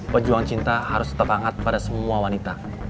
pejuang cinta harus tetap hangat pada semua wanita